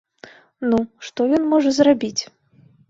Ну, што ён можа зрабіць?